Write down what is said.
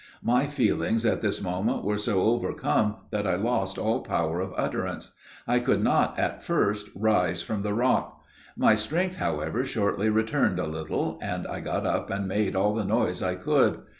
My feelings at this moment were so overcome that I lost all power of utterance. I could not, at first, rise from the rock, My strength, however, shortly returned a little, and I got up and made all the noise I could.